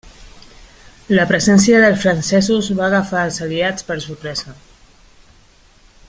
La presència dels francesos va agafar els aliats per sorpresa.